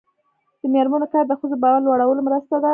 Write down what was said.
د میرمنو کار د ښځو باور لوړولو مرسته ده.